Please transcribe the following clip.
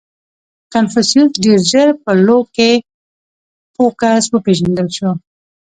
• کنفوسیوس ډېر ژر په لو کې پوه کس وپېژندل شو.